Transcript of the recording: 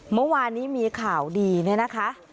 เมื่อวานนี้มีข่าวดีเนี่ยนะคะ